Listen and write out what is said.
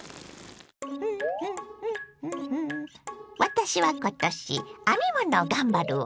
私は今年編み物を頑張るわ！